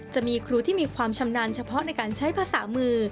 จะมีครูที่มีความชำนาญเฉพาะในการใช้ภาษามือ